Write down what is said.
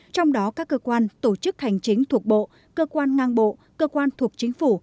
trong đó các cơ quan tổ chức hành chính thuộc bộ cơ quan ngang bộ cơ quan thuộc chính phủ